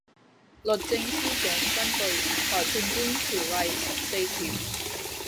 律政司長根據裁判官條例十四條